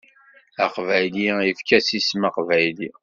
Aqbayli efk-as isem aqbayli.